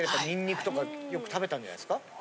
ニンニクとかよく食べたんじゃないですか？